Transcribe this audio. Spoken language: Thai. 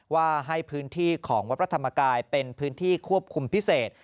ว่าให้พื้นที่ของวัดพระธรรมกายเป็นพื้นที่ควบคุมพิเศษ